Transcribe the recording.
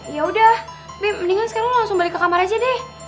ya udah mendingan sekarang langsung balik ke kamar aja deh